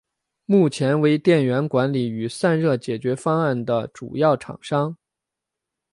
目前为电源管理与散热解决方案的主要厂商。